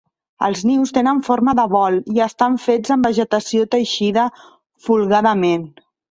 Els nius tenen forma de bol i estan fets amb vegetació teixida folgadament.